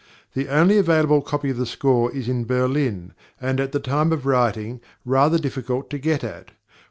The only available copy of the score is in Berlin, and, at the time of writing, rather difficult to get at.